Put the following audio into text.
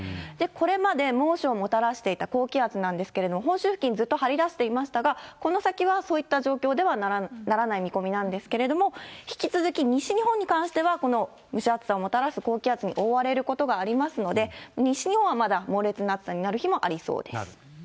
これまで猛暑をもたらしていた高気圧なんですけれども、本州付近、ずっと張り出していましたが、この先はそういった状況ではならない見込みなんですけれども、引き続き、西日本に関しては、この蒸し暑さをもたらす高気圧に覆われることがありますので、西日本はまだ、猛烈な暑さになる日もありそうです。